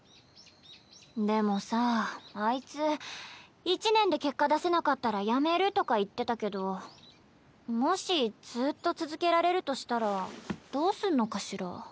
でもさあいつ１年で結果出せなかったらやめるとか言ってたけどもしずっと続けられるとしたらどうすんのかしら？